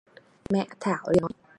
mẹ thảo liền nói